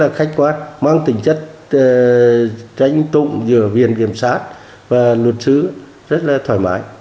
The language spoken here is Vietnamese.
rất là khách quát mang tính chất tranh tụng giữa viên kiểm soát và luật sứ rất là thoải mái